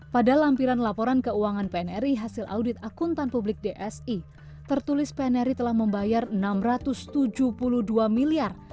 pada lampiran laporan keuangan pnri hasil audit akuntan publik dsi tertulis pnri telah membayar enam ratus tujuh puluh dua miliar